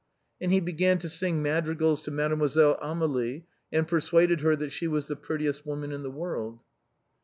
And he began to sing madrigals to Mademoiselle Amélie, and persuaded her that she was the prettiest woman in the world.